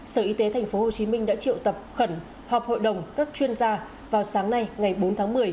sở y tế thành phố hồ chí minh đã triệu tập khẩn họp hội đồng các chuyên gia vào sáng nay ngày bốn tháng một mươi